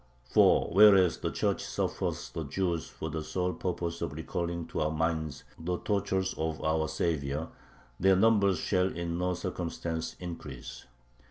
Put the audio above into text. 4. Whereas the Church suffers the Jews for the sole purpose of recalling to our minds the tortures of our Saviour, their number shall in no circumstances increase.